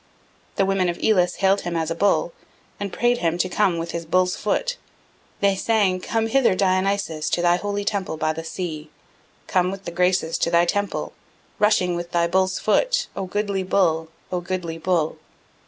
The women of Elis hailed him as a bull, and prayed him to come with his bull's foot. They sang, "Come hither, Dionysus, to thy holy temple by the sea; come with the Graces to thy temple, rushing with thy bull's foot, O goodly bull, O goodly bull!"